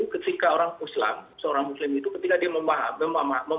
perubahan perubahan tadi itu bukan yang dimasalahkan